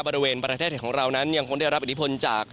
บริเวณประเทศไทยของเรานั้นยังคงได้รับอิทธิพลจาก